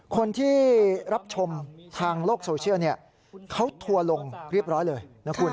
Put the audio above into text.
คนที่รับชมทางโลกโซเชียลเขาทัวร์ลงเรียบร้อยเลยนะคุณ